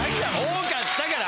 多かったから！